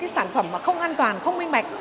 sản phẩm mà không an toàn không minh bạch